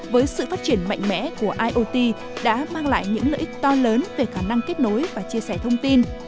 với sự phát triển mạnh mẽ của iot đã mang lại những lợi ích to lớn về khả năng kết nối và chia sẻ thông tin